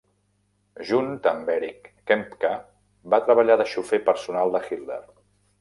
Junt amb Erich Kempka, va treballar de xofer personal de Hitler.